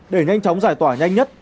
để nhanh chóng giải tỏa nhanh nhất